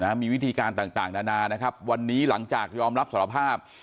มีวิธีการต่างต่างนานานะครับวันนี้หลังจากยอมรับสารภาพ